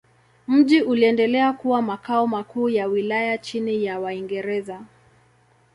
Mji uliendelea kuwa makao makuu ya wilaya chini ya Waingereza.